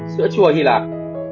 một mươi sữa chua hy lạp